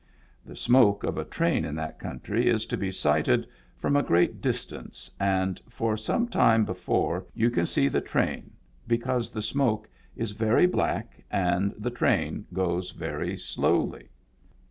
The smoke of a train in that country is to be sighted from a great distance and for some time before you can see the train, because the smoke is very black and the train goes very slowly.